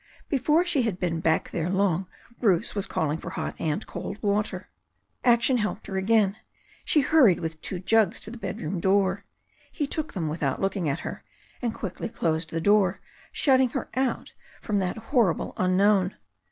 Before she had been back there long Bruce was calling for hot and cold water. Action helped her again. She hurried with two jugs to the bedroom door. He took them without looking at her, and quickly closed the door, shutting her out from that hor rible unknown.